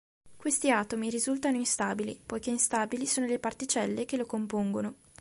Questi atomi risultano instabili, poiché instabili sono le particelle che lo compongono.